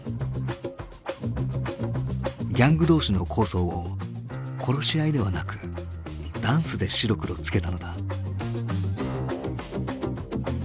ギャング同士の抗争を殺し合いではなくダンスで白黒つけたのだ。